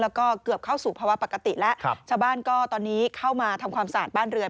และเกือบเข้าถึงภาวะปกติแล้วชาวบ้านทำความสะอาดบ้านเรือน